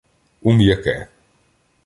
У м'яке.